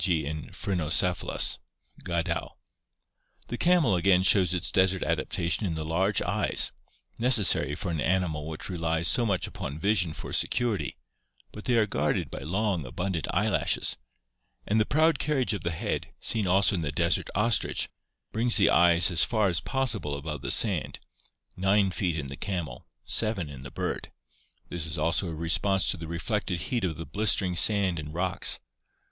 g., in Phrynocephalus" (Gadow). The camel again shows its desert adaptation in the large eyes, necessary for an animal which relies so much upon vision for security, but they are guarded by long, abundant eyelashes, and the proud carriage of the head, seen also in the desert ostrich, brings the eyes as far as possible above the sand — 9 feet in the camel, 7 in the bird. This is also a response to the reflected heat of the blistering sand and rocks.